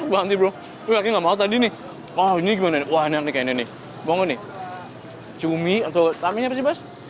wangi bro begini gimana warna kainnya nih ini brown believe cumi atau ini